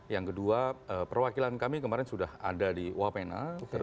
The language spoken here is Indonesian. yang kedua perwakilan kami kemarin sudah ada di wapena